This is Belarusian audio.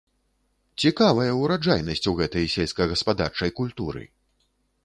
Цікавая ураджайнасць у гэтай сельскагаспадарчай культуры!